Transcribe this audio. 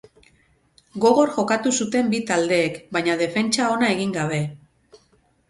Gogor jokatu zuten bi taldeek, baina defentsa ona egin gabe.